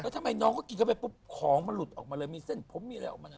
ทำไมน้องเขากินเข้าไปปุ๊บของมันหลุดออกมาเลยมีเส้นผมมีอะไรออกมาเนี่ย